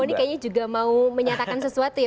bu kony kayaknya juga mau menyatakan sesuatu ya